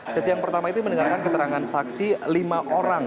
sesi yang pertama itu mendengarkan keterangan saksi lima orang